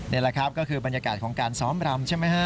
นี่ล่ะครับก็คือบรรยากาศของการซ้อมรำ